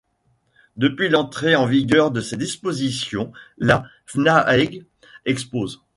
Depuis l'entrée en vigueur de ces dispositions, le Fnaeg explose.